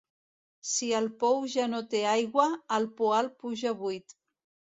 Si el pou ja no té aigua, el poal puja buit.